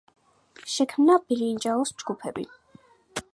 შექმნა ბრინჯაოს ჯგუფები.